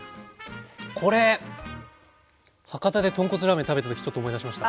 これ博多で豚骨ラーメン食べた時ちょっと思い出しました。